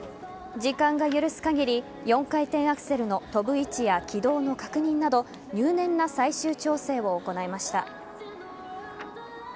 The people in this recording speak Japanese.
時間が許す限り４回転アクセルの跳ぶ位置や軌道の確認など入念な最終調整を行いました。